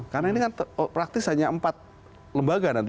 karena ini kan praktis hanya empat lembaga nanti